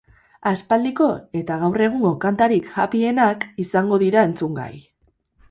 Aspaldiko eta gaur egungo kantarik happy-enak izango dira entzungai.